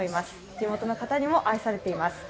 地元の方にも愛されています。